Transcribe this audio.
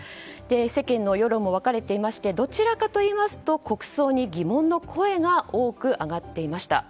世間の世論も分かれていましてどちらかといいますと国葬に疑問の声が多く上がっていました。